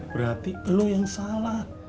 berarti lo yang salah